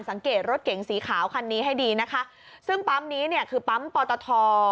สังเกตรถเก๋งสีขาวคันนี้ให้ดีนะคะซึ่งปั๊มนี้เนี่ยคือปั๊มปอตท